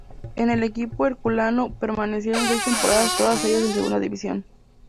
En el equipo herculano permaneció seis temporadas todas ellas en Segunda división.